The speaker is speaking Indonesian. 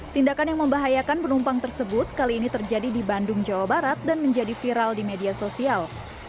tindakan yang membahayakan penumpang tersebut kali ini terjadi di bandung jawa barat dan menjadi viral di media sosial